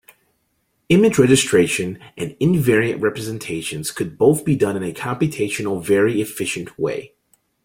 Image registration and invariant representations could both be done in a computationally very efficient way.